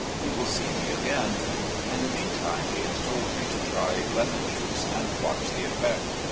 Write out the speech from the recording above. He will see me again. In the meantime, he has told me to try lemon juice and watch the effect.